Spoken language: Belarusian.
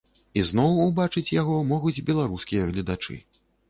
Ізноў ўбачыць яго могуць беларускія гледачы.